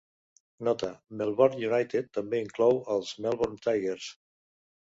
Nota, Melbourne United també inclou els Melbourne Tigers.